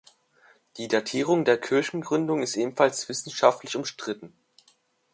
Die Datierung der Kirchengründung ist ebenfalls wissenschaftlich umstritten.